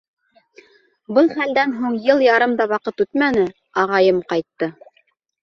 Был хәлдән һуң йыл ярым да ваҡыт үтмәне, ағайым ҡайтты!